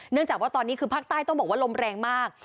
จากว่าตอนนี้คือภาคใต้ต้องบอกว่าลมแรงมาก